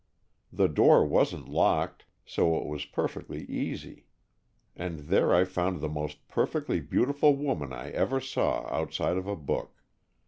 The door wasn't locked, so it was perfectly easy. And there I found the most perfectly beautiful woman I ever saw outside of a book.